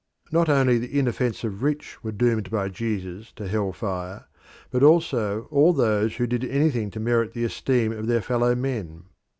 Not only the inoffensive rich were doomed by Jesus to hell fire, but also all those who did anything to merit the esteem of their fellow men.